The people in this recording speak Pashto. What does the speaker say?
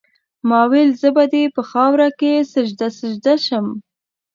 ما ویل زه به دي په خاوره کي سجده سجده سم